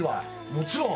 もちろん。